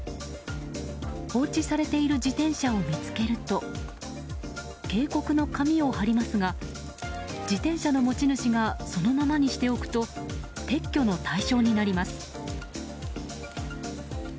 放置されている自転車を見つけると警告の紙を貼りますが自転車の持ち主がそのままにしておくと撤去の対象になります。